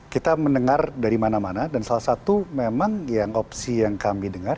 kita mendengar dari mana mana dan salah satu memang yang opsi yang kami dengar